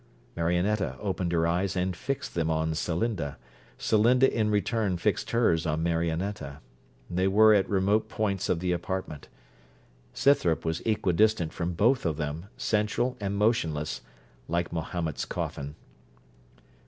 Marionetta opened her eyes and fixed them on Celinda; Celinda in return fixed hers on Marionetta. They were at remote points of the apartment. Scythrop was equidistant from both of them, central and motionless, like Mahomet's coffin.